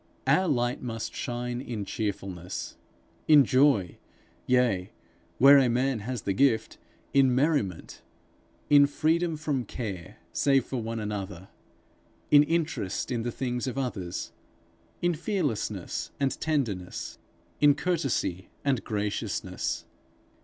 Our light must shine in cheerfulness, in joy, yea, where a man has the gift, in merriment; in freedom from care save for one another, in interest in the things of others, in fearlessness and tenderness, in courtesy and graciousness.